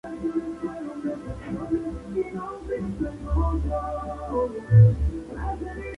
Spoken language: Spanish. Un policía resultó herido en el ataque.